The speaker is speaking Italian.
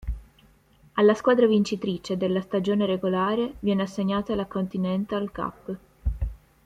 Alla squadra vincitrice della stagione regolare viene assegnata la Kontinental Cup.